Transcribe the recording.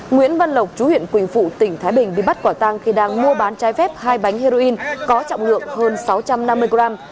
nguyễn văn lộc chú huyện quỳnh phụ tỉnh thái bình bị bắt quả tang khi đang mua bán trái phép hai bánh heroin có trọng lượng hơn sáu trăm năm mươi gram